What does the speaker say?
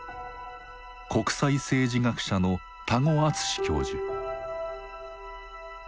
国際政治学者の多湖淳教授。